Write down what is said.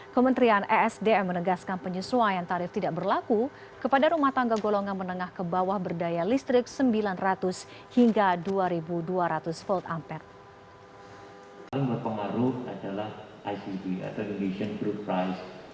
kementerian esdm menegaskan penyesuaian tarif tidak berlaku kepada rumah tangga golongan menengah ke bawah berdaya listrik sembilan ratus hingga dua dua ratus volt ampere